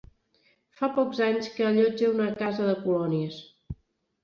Fa pocs anys que allotja una casa de colònies.